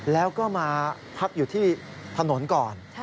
แล้วก็มาพักอยู่ที่ถนนก่อน